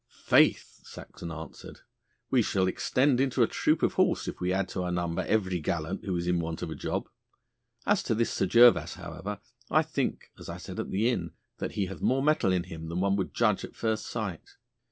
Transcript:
'Faith!' Saxon answered, 'we shall extend into a troop of horse if we add to our number every gallant who is in want of a job. As to this Sir Gervas, however, I think, as I said at the inn, that he hath more mettle in him than one would judge at first sight.